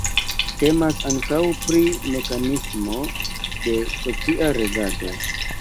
Temas ankaŭ pri mekanismo de socia regado.